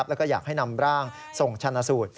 แล้วก็อยากให้นำร่างส่งชนะสูตร